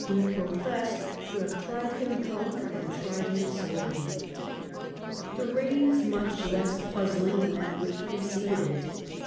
who professed to have "tried him drunk and tried him sober ". The reign is much less puzzling than that which pre ceded it.